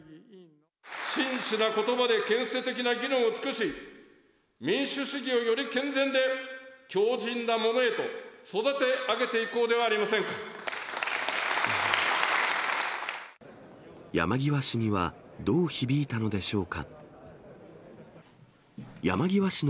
真摯なことばで建設的な議論を尽くし、民主主義をより健全で強じんなものへと育て上げていこうではあり山際氏には、どう響いたのでしょうか。